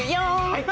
はい！